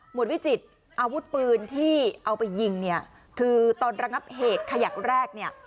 วดวิจิตรอาวุธปืนที่เอาไปยิงเนี่ยคือตอนระงับเหตุขยักแรกเนี่ย